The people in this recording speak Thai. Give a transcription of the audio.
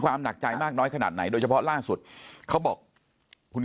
หนักใจมากน้อยขนาดไหนโดยเฉพาะล่าสุดเขาบอกคุณ